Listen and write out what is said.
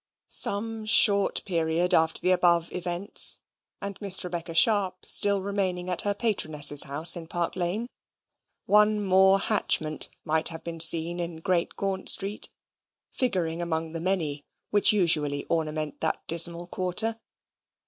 Some short period after the above events, and Miss Rebecca Sharp still remaining at her patroness's house in Park Lane, one more hatchment might have been seen in Great Gaunt Street, figuring amongst the many which usually ornament that dismal quarter.